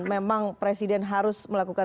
memang presiden harus melakukan